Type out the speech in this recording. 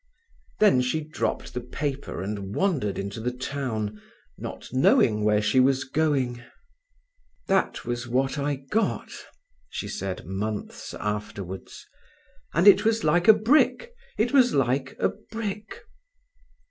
Then she dropped the paper and wandered into the town, not knowing where she was going. "That was what I got," she said, months afterwards; "and it was like a brick, it was like a brick."